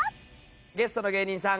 ゲストの芸人さん